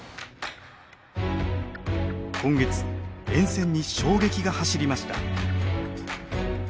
今月沿線に衝撃が走りました。